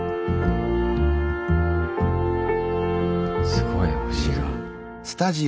すごい星が。